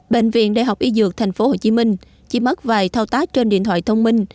bệnh viện đại học y dược tp hcm chỉ mất vài thao tác trên điện thoại thông minh